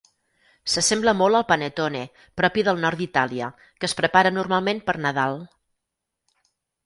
S'assembla molt al panettone, propi del nord d'Itàlia, que es prepara normalment per Nadal.